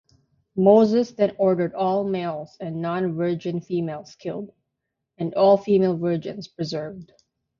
Moses then ordered all males and non-virgin females killed, and all female virgins preserved.